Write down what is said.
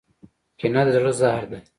کینه د زړه زهر دی.